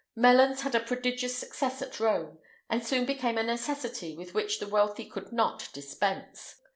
Melons had a prodigious success at Rome, and soon became a necessity with which the wealthy could not dispense.